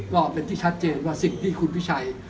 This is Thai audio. ก็เป็นที่ชัดเจนว่าสิ่งที่คุณพิชัย